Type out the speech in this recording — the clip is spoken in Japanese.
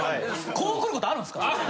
こう来ることあるんですか？